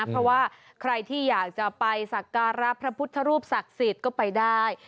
เพราะว่าใครที่อยากจะไปสักการะพระพุทธรูปศักดิ์สิทธิ์ก็ไปได้